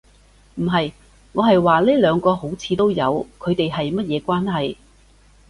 唔係。我係話呢兩個好像都有，佢地係乜嘢關係